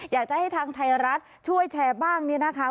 อยากจะให้ทางไทยรัฐช่วยแชร์บ้างเนี่ยนะคะ